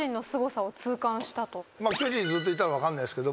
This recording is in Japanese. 巨人にずっといたら分かんないですけど